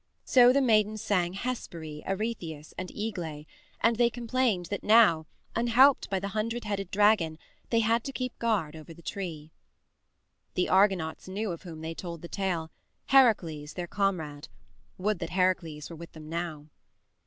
So the maidens sang Hespere, Eretheis, and Aegle and they complained that now, unhelped by the hundred headed dragon, they had to keep guard over the tree. The Argonauts knew of whom they told the tale Heracles, their comrade. Would that Heracles were with them now!